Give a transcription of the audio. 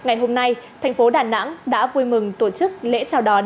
ngày hôm nay thành phố đà nẵng đã vui mừng tổ chức lễ chào đón